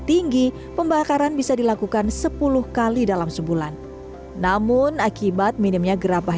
tinggi pembakaran bisa dilakukan sepuluh kali dalam sebulan namun akibat minimnya gerabah